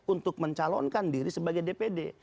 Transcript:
untuk mencalonkan diri sebagai dpd